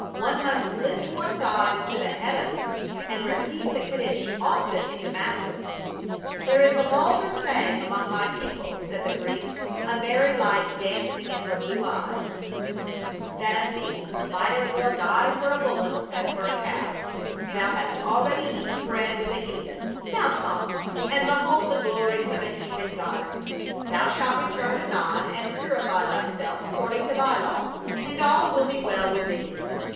One must lift one's eyes to the heavens and repeat the Kadish often in Damascus." "There is a vulgar saying among my people," said the Greek, a merry light dancing in her blue eyes, 84 PA UL. "that a thief might as well die for a bullock as for a calf; thou hast already eaten bread with a heathen, now come and behold the glories of a heathen god dess. Thou shalt return anon and purify thyself according to thy law, and all will be well with thee."